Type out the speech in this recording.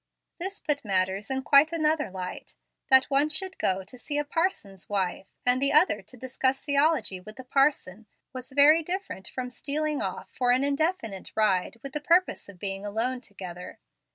This put matters in quite another light. That one should go to see a parson's wife, and the other to discuss theology with the parson, was very different from stealing off for an indefinite ride with the purpose of being alone together.